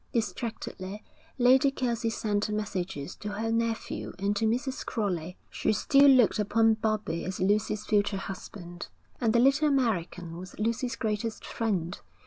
Distractedly Lady Kelsey sent messages to her nephew and to Mrs. Crowley. She still looked upon Bobbie as Lucy's future husband, and the little American was Lucy's greatest friend.